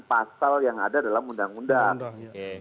pasal yang ada dalam undang undang